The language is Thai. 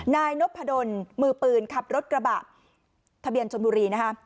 นายนพดลมือปืนขับรถกระบะทะเบียนชนบุรีนะคะ